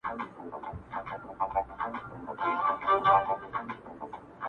ډکي هدیرې به سي تشي بنګلې به سي؛